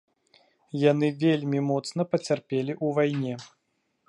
Яны вельмі моцна пацярпелі ў вайне.